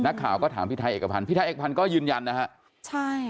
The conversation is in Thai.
นักข่าวก็ถามพี่ไทยเอกพันธ์พี่ไทยเอกพันธ์ก็ยืนยันนะฮะใช่